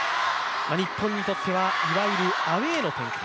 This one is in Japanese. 日本にとってはいわゆるアウェーの展開。